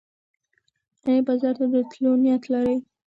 ایا بازار ته د تلو نیت لرې؟